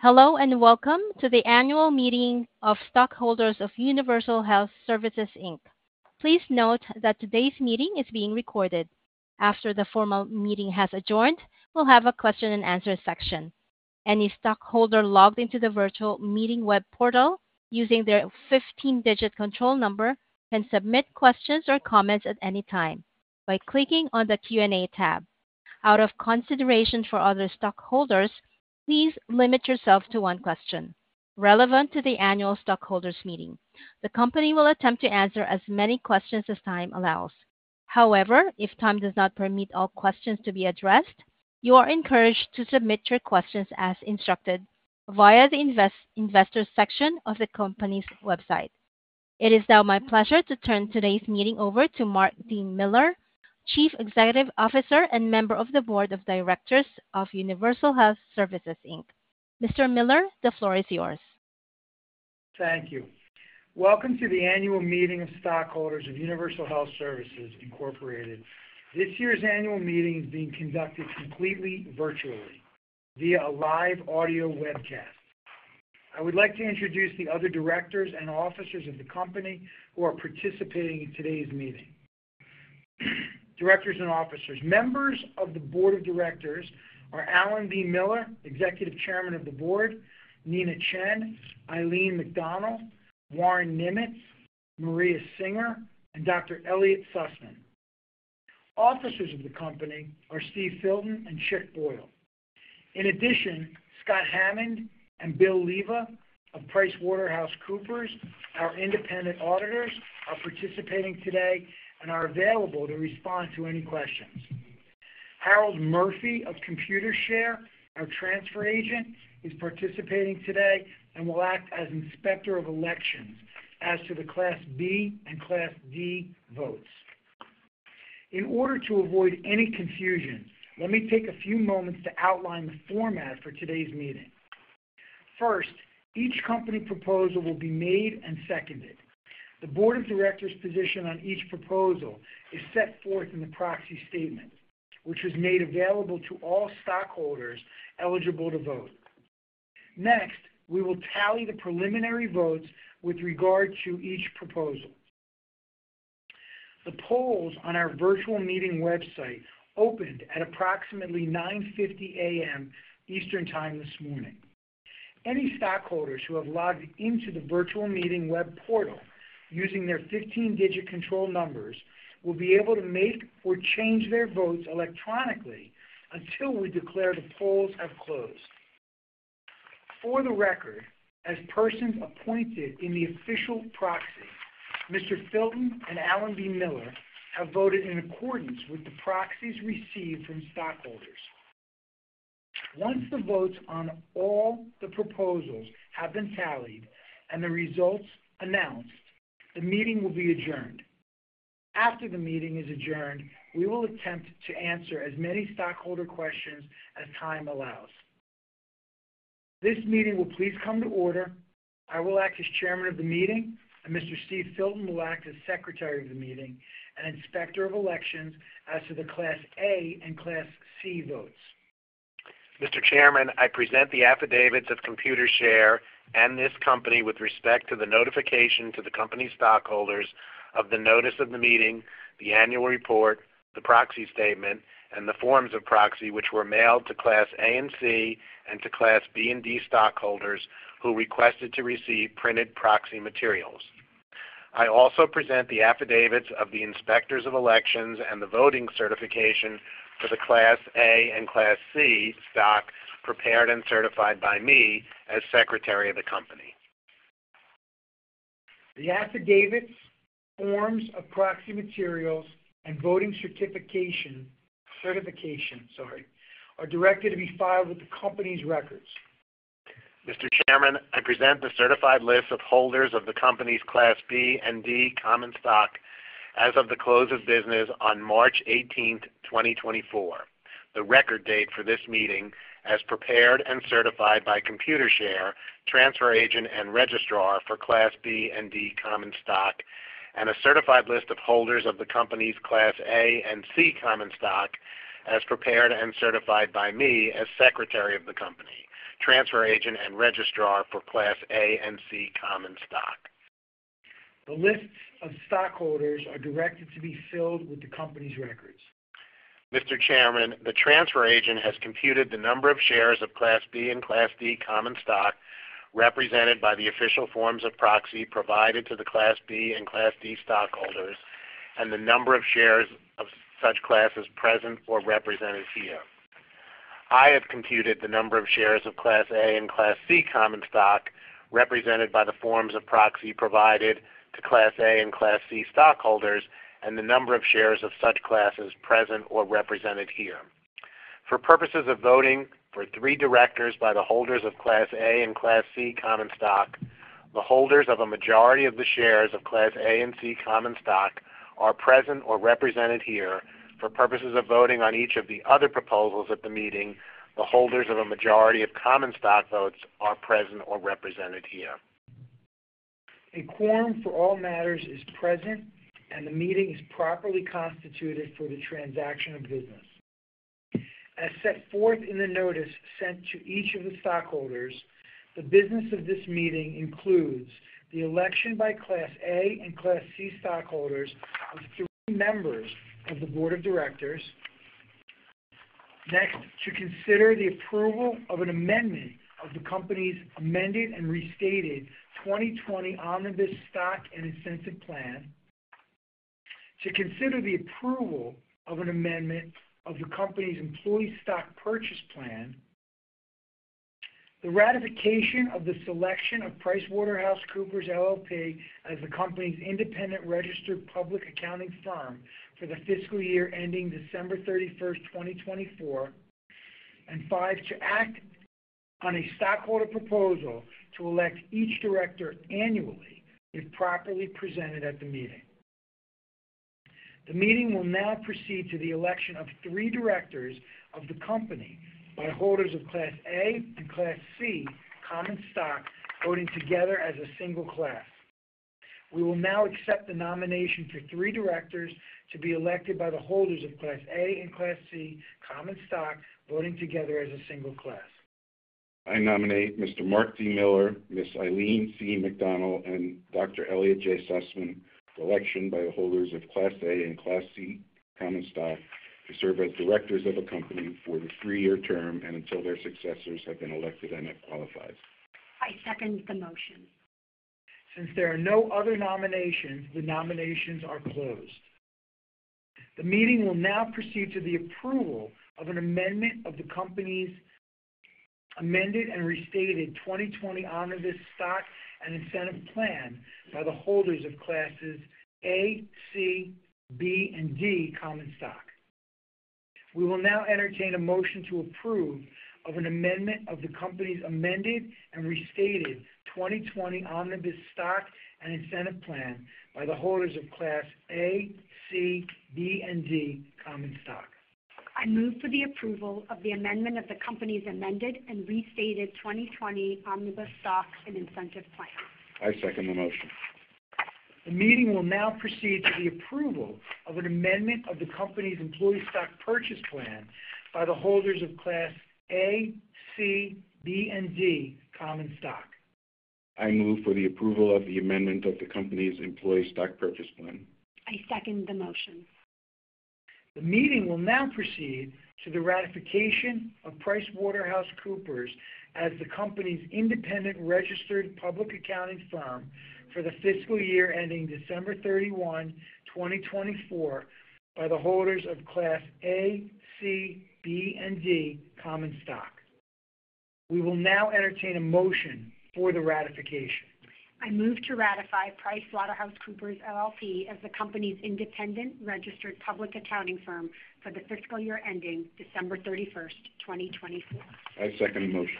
Hello, and welcome to the annual meeting of stockholders of Universal Health Services, Inc. Please note that today's meeting is being recorded. After the formal meeting has adjourned, we'll have a question and answer section. Any stockholder logged into the virtual meeting web portal using their 15-digit control number can submit questions or comments at any time by clicking on the Q&A tab. Out of consideration for other stockholders, please limit yourself to one question relevant to the annual stockholders meeting. The company will attempt to answer as many questions as time allows. However, if time does not permit all questions to be addressed, you are encouraged to submit your questions as instructed via the investor section of the company's website. It is now my pleasure to turn today's meeting over to Marc D. Miller, Chief Executive Officer and Member of the Board of Directors of Universal Health Services, Inc. Mr. Miller, the floor is yours. Thank you. Welcome to the annual meeting of stockholders of Universal Health Services, Inc. This year's annual meeting is being conducted completely virtually via a live audio webcast. I would like to introduce the other directors and officers of the company who are participating in today's meeting. Directors and officers. Members of the board of directors are Alan B. Miller, Executive Chairman of the Board, Lawrence S. Gibbs, Eileen McDonnell, Warren Nimetz, Maria Singer, and Dr. Elliot Sussman. Officers of the company are Steve Filton and Chick Boyle. In addition, Scott Hammond and Bill Leva of PricewaterhouseCoopers, our independent auditors, are participating today and are available to respond to any questions. Harold Murphy of Computershare, our transfer agent, is participating today and will act as Inspector of Elections as to the Class B and Class D votes. In order to avoid any confusion, let me take a few moments to outline the format for today's meeting. First, each company proposal will be made and seconded. The board of directors' position on each proposal is set forth in the proxy statement, which is made available to all stockholders eligible to vote. Next, we will tally the preliminary votes with regard to each proposal. The polls on our virtual meeting website opened at approximately 9:50 A.M. Eastern Time this morning. Any stockholders who have logged into the virtual meeting web portal using their 15-digit control numbers will be able to make or change their votes electronically until we declare the polls have closed. For the record, as persons appointed in the official proxy, Mr. Filton and Alan B. Miller have voted in accordance with the proxies received from stockholders. Once the votes on all the proposals have been tallied and the results announced, the meeting will be adjourned. After the meeting is adjourned, we will attempt to answer as many stockholder questions as time allows. This meeting will please come to order. I will act as chairman of the meeting, and Mr. Steve Filton will act as secretary of the meeting and Inspector of Elections as to the Class A and Class C votes. Mr. Chairman, I present the affidavits of Computershare and this company with respect to the notification to the company's stockholders of the notice of the meeting, the annual report, the proxy statement, and the forms of proxy, which were mailed to Class A and C and to Class B and D stockholders who requested to receive printed proxy materials. I also present the affidavits of the Inspectors of Elections and the voting certification for the Class A and Class C stock, prepared and certified by me as Secretary of the Company. The affidavits, forms of proxy materials, and voting certification are directed to be filed with the company's records. Mr. Chairman, I present the certified list of holders of the company's Class B and D common stock as of the close of business on March 18, 2024, the record date for this meeting, as prepared and certified by Computershare, transfer agent and registrar for Class B and D common stock, and a certified list of holders of the company's Class A and C common stock as prepared and certified by me as Secretary of the Company, transfer agent and registrar for Class A and C common stock. The lists of stockholders are directed to be filed with the company's records. Mr. Chairman, the transfer agent has computed the number of shares of Class B and Class D Common Stock represented by the official forms of proxy provided to the Class B and Class D stockholders, and the number of shares of such classes present or represented here. I have computed the number of shares of Class A and Class C Common Stock represented by the forms of proxy provided to Class A and Class C stockholders, and the number of shares of such classes present or represented here. For purposes of voting for three directors by the holders of Class A and Class C Common Stock, the holders of a majority of the shares of Class A and C Common Stock are present or represented here. For purposes of voting on each of the other proposals at the meeting, the holders of a majority of common stock votes are present or represented here. ... A quorum for all matters is present, and the meeting is properly constituted for the transaction of business. As set forth in the notice sent to each of the stockholders, the business of this meeting includes the election by Class A and Class C stockholders of three members of the board of directors. Next, to consider the approval of an amendment of the company's amended and restated 2020 Omnibus Stock and Incentive Plan. To consider the approval of an amendment of the company's Employee Stock Purchase Plan. The ratification of the selection of PricewaterhouseCoopers LLP as the company's independent registered public accounting firm for the fiscal year ending December 31st, 2024. And five, to act on a stockholder proposal to elect each director annually, if properly presented at the meeting. The meeting will now proceed to the election of three directors of the company by holders of Class A and Class C common stock, voting together as a single class. We will now accept the nomination for three directors to be elected by the holders of Class A and Class C common stock, voting together as a single class. I nominate Mr. Marc D. Miller, Ms. Eileen C. McDonnell, and Dr. Elliot J. Sussman for election by the holders of Class A and Class C common stock to serve as directors of the company for the three-year term and until their successors have been elected and qualified. I second the motion. Since there are no other nominations, the nominations are closed. The meeting will now proceed to the approval of an amendment of the company's Amended and Restated 2020 Omnibus Stock and Incentive Plan by the holders of Classes A, C, B, and D common stock. We will now entertain a motion to approve of an amendment of the company's Amended and Restated 2020 Omnibus Stock and Incentive Plan by the holders of Class A, C, B, and D common stock. I move for the approval of the amendment of the company's Amended and Restated 2020 Omnibus Stock and Incentive Plan. I second the motion. The meeting will now proceed to the approval of an amendment of the company's Employee Stock Purchase Plan by the holders of Class A, C, B, and D Common Stock. I move for the approval of the amendment of the company's Employee Stock Purchase Plan. I second the motion. The meeting will now proceed to the ratification of PricewaterhouseCoopers as the company's independent registered public accounting firm for the fiscal year ending December 31, 2024, by the holders of Class A, C, B, and D common stock. We will now entertain a motion for the ratification. I move to ratify PricewaterhouseCoopers LLP as the company's independent registered public accounting firm for the fiscal year ending December 31, 2024. I second the motion.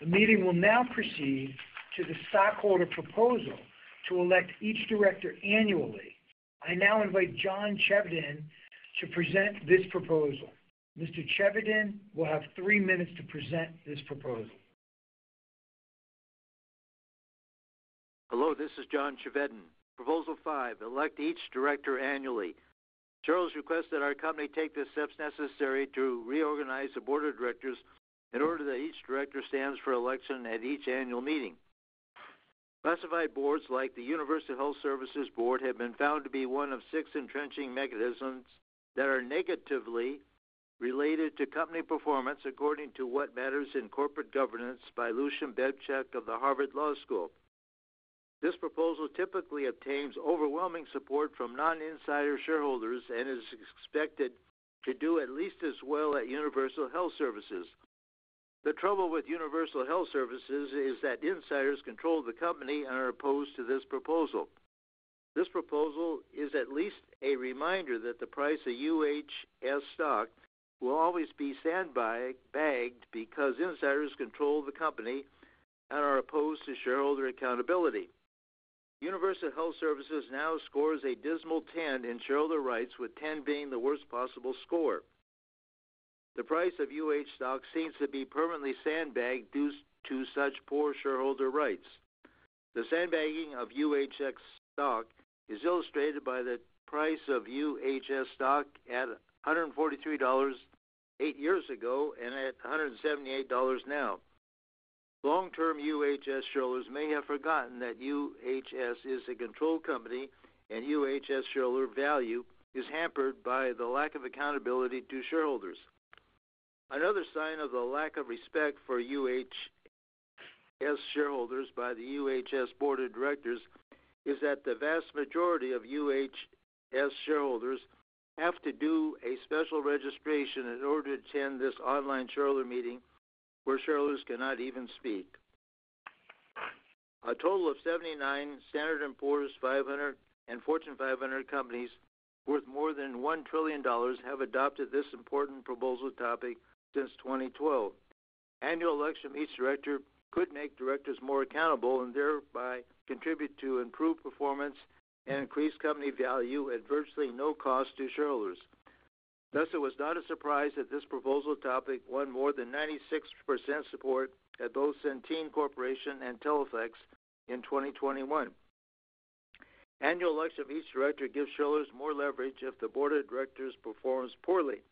The meeting will now proceed to the stockholder proposal to elect each director annually. I now invite John Chevedden to present this proposal. Mr. Chevedden will have three minutes to present this proposal. Hello, this is John Chevedden. Proposal 5: Elect each director annually. Shareholders request that our company take the steps necessary to reorganize the board of directors in order that each director stands for election at each annual meeting. Classified boards, like the Universal Health Services board, have been found to be one of 6 entrenching mechanisms that are negatively related to company performance, according to What Matters in Corporate Governance by Lucian Bebchuk of the Harvard Law School. This proposal typically obtains overwhelming support from non-insider shareholders and is expected to do at least as well at Universal Health Services. The trouble with Universal Health Services is that insiders control the company and are opposed to this proposal. This proposal is at least a reminder that the price of UHS stock will always be sandbagged, because insiders control the company and are opposed to shareholder accountability. Universal Health Services now scores a dismal 10 in shareholder rights, with 10 being the worst possible score. The price of UHS stock seems to be permanently sandbagged due to such poor shareholder rights. The sandbagging of UHS stock is illustrated by the price of UHS stock at $143 eight years ago and at $178 now. Long-term UHS shareholders may have forgotten that UHS is a controlled company, and UHS shareholder value is hampered by the lack of accountability to shareholders. Another sign of the lack of respect for UHS shareholders by the UHS board of directors is that the vast majority of UHS shareholders have to do a special registration in order to attend this online shareholder meeting, where shareholders cannot even speak. A total of 79 S&P 500 and Fortune 500 companies, worth more than $1 trillion, have adopted this important proposal topic since 2012. Annual election of each director could make directors more accountable and thereby contribute to improved performance and increase company value at virtually no cost to shareholders. ... Thus, it was not a surprise that this proposal topic won more than 96% support at both Centene Corporation and Teleflex in 2021. Annual election of each director gives shareholders more leverage if the board of directors performs poorly.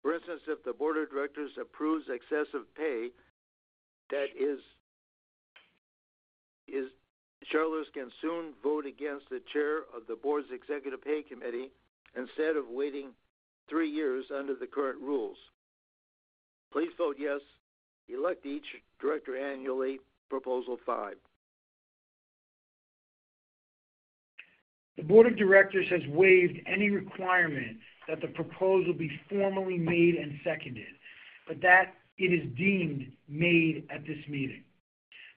For instance, if the board of directors approves excessive pay, that is, shareholders can soon vote against the chair of the board's executive pay committee instead of waiting three years under the current rules. Please vote yes to elect each director annually, Proposal Five. The board of directors has waived any requirement that the proposal be formally made and seconded, but that it is deemed made at this meeting.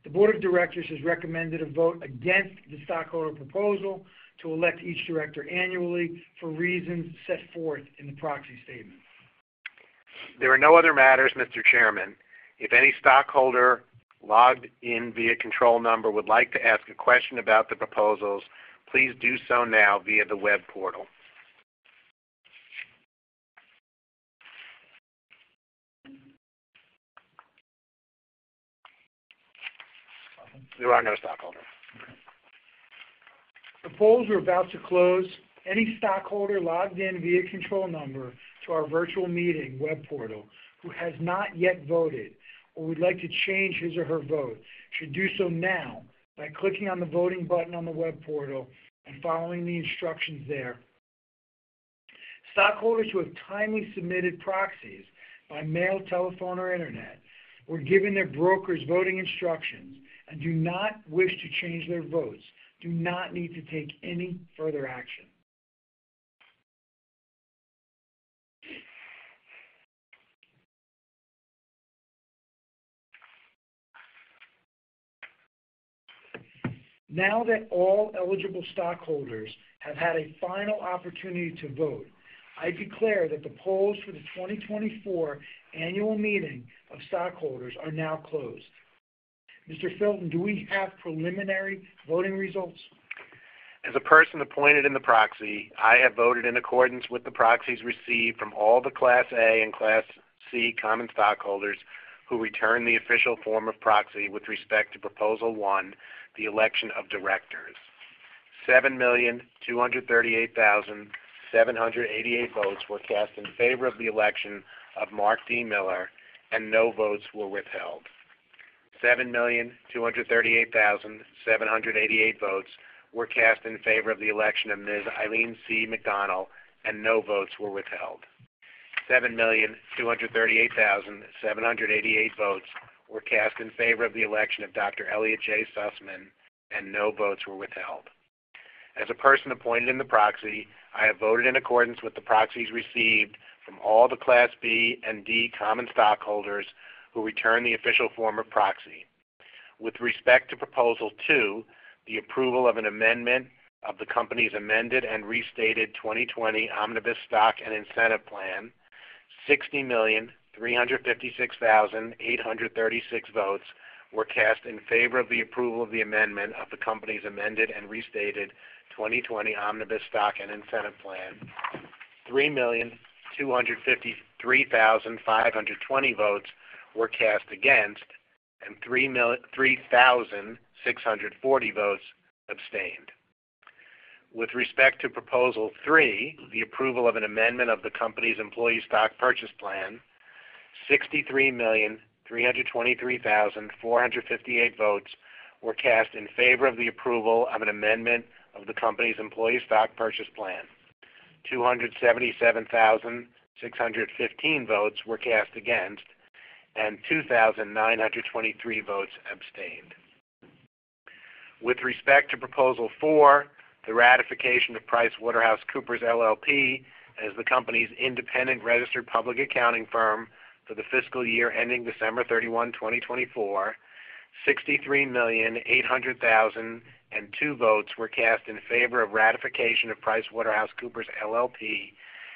The board of directors has recommended a vote against the stockholder proposal to elect each director annually for reasons set forth in the proxy statement. There are no other matters, Mr. Chairman. If any stockholder logged in via control number would like to ask a question about the proposals, please do so now via the web portal. We got another stockholder. The polls are about to close. Any stockholder logged in via control number to our Virtual Meeting Web Portal who has not yet voted or would like to change his or her vote, should do so now by clicking on the voting button on the web portal and following the instructions there. Stockholders who have timely submitted proxies by mail, telephone, or internet, or given their brokers voting instructions and do not wish to change their votes, do not need to take any further action. Now that all eligible stockholders have had a final opportunity to vote, I declare that the polls for the 2024 annual meeting of stockholders are now closed. Mr. Filton, do we have preliminary voting results? As a person appointed in the proxy, I have voted in accordance with the proxies received from all the Class A and Class C common stockholders who returned the official form of proxy with respect to Proposal One, the election of directors. 7,238,788 votes were cast in favor of the election of Marc D. Miller, and no votes were withheld. 7,238,788 votes were cast in favor of the election of Ms. Eileen C. McDonnell, and no votes were withheld. 7,238,788 votes were cast in favor of the election of Dr. Elliot J. Sussman, and no votes were withheld. As a person appointed in the proxy, I have voted in accordance with the proxies received from all the Class B and D common stockholders who returned the official form of proxy. With respect to Proposal Two, the approval of an amendment of the company's amended and restated 2020 Omnibus Stock and Incentive Plan, 60,356,836 votes were cast in favor of the approval of the amendment of the company's amended and restated 2020 Omnibus Stock and Incentive Plan. 3,253,520 votes were cast against, and 3,640 votes abstained. With respect to Proposal Three, the approval of an amendment of the company's employee stock purchase plan, 63,323,458 votes were cast in favor of the approval of an amendment of the company's employee stock purchase plan. 277,615 votes were cast against, and 2,923 votes abstained. With respect to Proposal Four, the ratification of PricewaterhouseCoopers LLP as the company's independent registered public accounting firm for the fiscal year ending December 31, 2024, 63,800,002 votes were cast in favor of ratification of PricewaterhouseCoopers LLP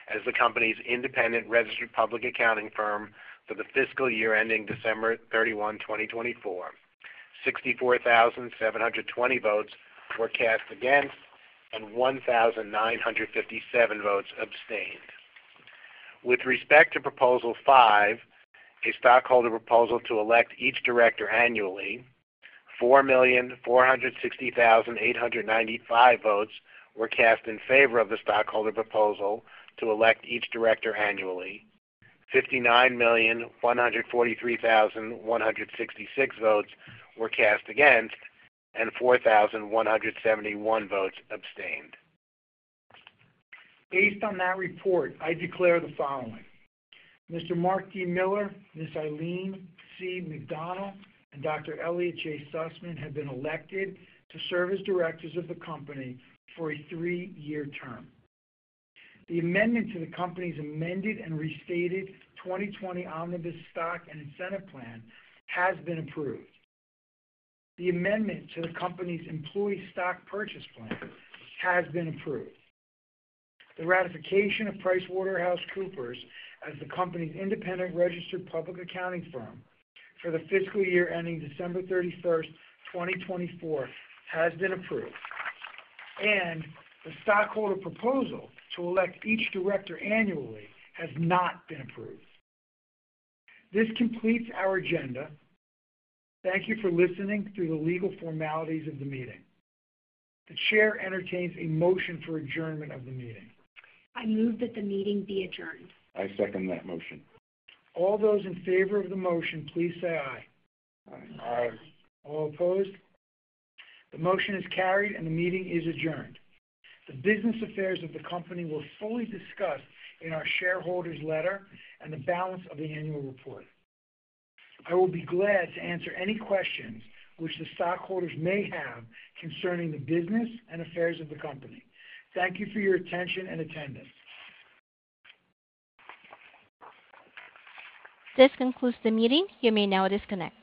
as the company's independent registered public accounting firm for the fiscal year ending December 31, 2024. 64,720 votes were cast against, and 1,957 votes abstained. With respect to Proposal Five, a stockholder proposal to elect each director annually, 4,460,895 votes were cast in favor of the stockholder proposal to elect each director annually, 59,143,166 votes were cast against, and 4,171 votes abstained. Based on that report, I declare the following: Mr. Marc D. Miller, Ms. Eileen C. McDonnell, and Dr. Elliot J. Sussman have been elected to serve as directors of the company for a three-year term. The amendment to the company's Amended and Restated 2020 Omnibus Stock and Incentive Plan has been approved. The amendment to the company's Employee Stock Purchase Plan has been approved. The ratification of PricewaterhouseCoopers as the company's independent registered public accounting firm for the fiscal year ending December 31, 2024, has been approved. The stockholder proposal to elect each director annually has not been approved. This completes our agenda. Thank you for listening through the legal formalities of the meeting. The chair entertains a motion for adjournment of the meeting. I move that the meeting be adjourned. I second that motion. All those in favor of the motion, please say aye. Aye. Aye. All opposed? The motion is carried, and the meeting is adjourned. The business affairs of the company will be fully discussed in our shareholders' letter and the balance of the annual report. I will be glad to answer any questions which the stockholders may have concerning the business and affairs of the company. Thank you for your attention and attendance. This concludes the meeting. You may now disconnect.